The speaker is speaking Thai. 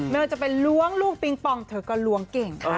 ไม่ว่าจะเป็นล้วงลูกปิงปองเธอก็ล้วงเก่งค่ะ